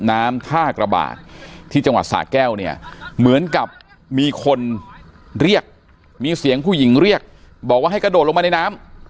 น้ำท่ากระบาดที่จังหวัดสะแก้วเนี่ยเหมือนกับมีคนเรียกมีเสียงผู้หญิงเรียกบอกว่าให้กระโดดลงมาในน้ำ